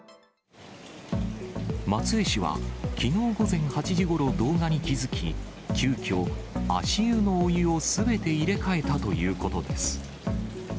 松江市は、きのう午前８時ごろ、動画に気付き、急きょ、足湯のお湯をすべて入れ替えたということです。